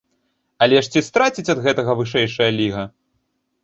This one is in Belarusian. Але ж ці страціць ад гэтага вышэйшая ліга?